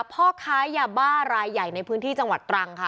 พ่อค้ายาบ้ารายใหญ่ในพื้นที่จังหวัดตรังค่ะ